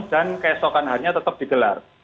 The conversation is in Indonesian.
dan keesokan harinya tetap digelar